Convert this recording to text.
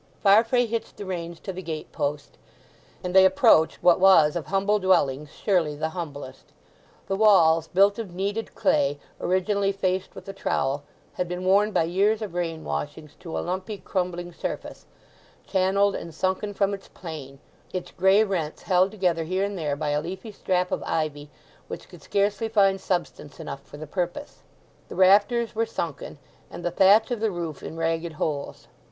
Farfrae hitched the reins to the gate post, and they approached what was of humble dwellings surely the humblest. The walls, built of kneaded clay originally faced with a trowel, had been worn by years of rain washings to a lumpy crumbling surface, channelled and sunken from its plane, its gray rents held together here and there by a leafy strap of ivy which could scarcely find substance enough for the purpose. The rafters were sunken, and the thatch of the roof in ragged holes.